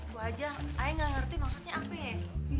gue aja ayah gak ngerti maksudnya apa ya